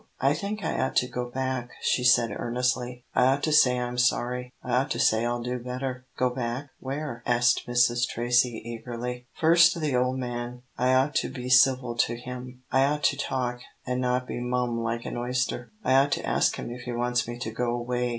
"I think I ought to go back," she said, earnestly. "I ought to say I'm sorry. I ought to say I'll do better." "Go back where?" asked Mrs. Tracy, eagerly. "First to the ole man. I ought to be civil to him. I ought to talk, an' not be mum like an oyster. I ought to ask him if he wants me to go 'way.